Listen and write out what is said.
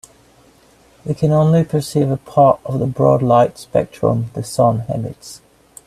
We can only perceive a part of the broad light spectrum the sun emits.